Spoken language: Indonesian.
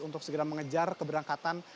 untuk segera mengejar keberangkatan